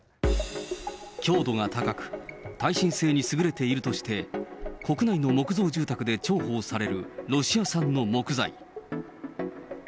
強度が高く、耐震性に優れているとして、国内の木造住宅で重宝されるロシア産の木材。